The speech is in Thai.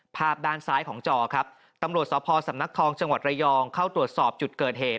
ภาพด้านซ้ายของจอครับตำรวจสพสำนักทองจังหวัดระยองเข้าตรวจสอบจุดเกิดเหตุ